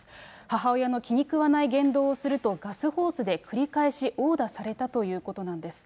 母親の気に食わない言動をすると、ガスホースで繰り返し殴打されたということなんです。